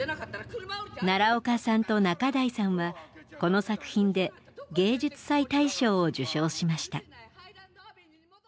奈良岡さんと仲代さんはこの作品で芸術祭大賞を受賞しました。